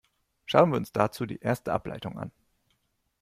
Schauen wir uns dazu die erste Ableitung an.